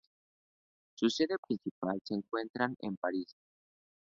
Su sede principal se encuentra en París.